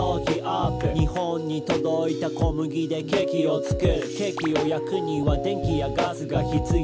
「日本に届いた小麦でケーキを作る」「ケーキを焼くには電気やガスが必要」